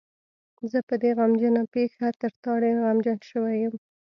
زه په دې غمجنه پېښه تر تا ډېر غمجن شوی یم.